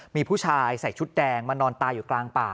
มีผู้ชายใส่ชุดแดงมานอนตายอยู่กลางป่า